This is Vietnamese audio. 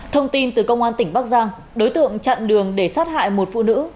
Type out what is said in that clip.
thông tin từ công an tỉnh bắc giang đối tượng chặn đường để sát hại một phụ nữ